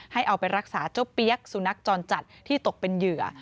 เอาไปรักษาเจ้าเปี๊ยกสุนัขจรจัดที่ตกเป็นเหยื่อ